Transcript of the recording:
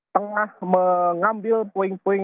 tengah mengambil puing puing